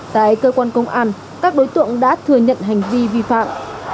tại cơ quan công an các đối tượng đã thừa nhận hành vi vi phạm